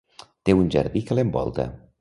Té un jardí que l'envolta.